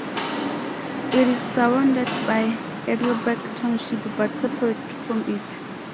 It is surrounded by Heidelberg Township but separate from it.